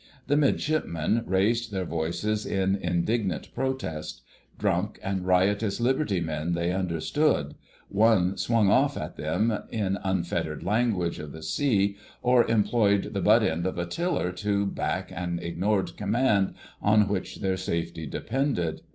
The Midshipmen raised their voices in indignant protest: drunk and riotous liberty men they understood: one "swung off" at them in unfettered language of the sea, or employed the butt end of a tiller to back an ignored command on which their safety depended.